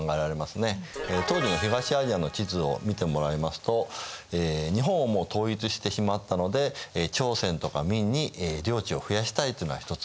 当時の東アジアの地図を見てもらいますと日本はもう統一してしまったので朝鮮とか明に領地を増やしたいというのが一つの説です。